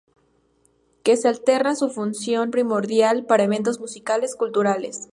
Que se alterna su función primordial para eventos musicales, culturales.